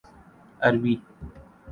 عربی